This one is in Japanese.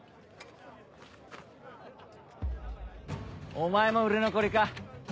お前も売れ残りか。